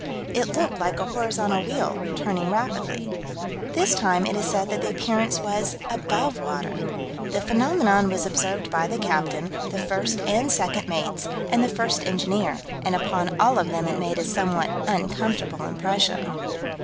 "It looked like a horizontal wheel, turning rapidly." This time it is said that the appearance was above water. "The phenomenon was observed by the captain, the first and second mates, and the first engineer, and upon all of them it made a somewhat uncomfortable impression."